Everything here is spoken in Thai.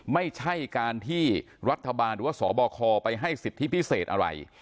ไม่ใช่การที่รัฐบาลหรือว่าสบคไปให้สิทธิพิเศษอะไร